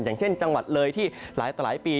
อย่างเช่นจังหวัดเลยที่หลายต่อหลายปี